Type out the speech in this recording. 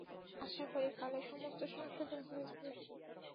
আশা করি কালে সমস্ত সংশোধন হয়ে যাবে।